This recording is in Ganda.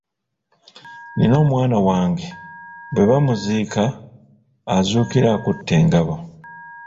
Nnina omwana wange bwe bamuziika azuukira akutte engabo.